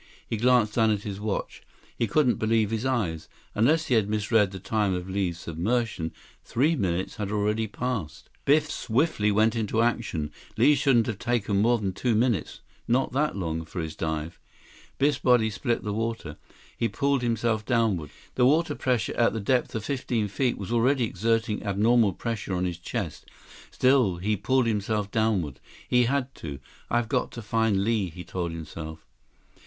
He glanced down at his watch. He couldn't believe his eyes. Unless he had misread the time of Li's submersion, three minutes had already passed. Biff swiftly went into action. Li shouldn't have taken more than two minutes—not that long—for this dive. Biff's body split the water. He pulled himself downward. The water pressure at the depth of fifteen feet was already exerting abnormal pressure on his chest. Still he pulled himself downward. He had to. I've got to find Li, he told himself.